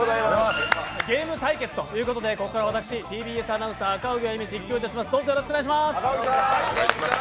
ゲーム対決ということでここから私、ＴＢＳアナウンサー・赤荻歩、実況いたします。